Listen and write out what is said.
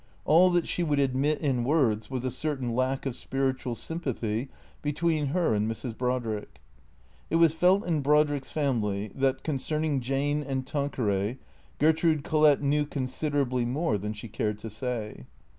All that she would admit in words was a certain lack of spiritual sympathy between her and Mrs. Brodrick. It was felt in Brodrick's family that, concerning Jane and Tanqueray, Gertrude Collett knew considerably more than she cared to say.